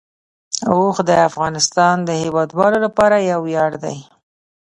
اوښ د افغانستان د هیوادوالو لپاره یو ویاړ دی.